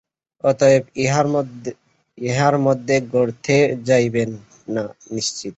অতএব ইহার মধ্যে গর্তে যাইবেন না নিশ্চিত।